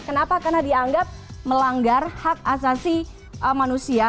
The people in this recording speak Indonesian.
kenapa karena dianggap melanggar hak asasi manusia